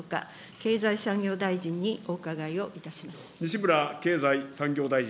経済産業大臣にお伺いをいたします。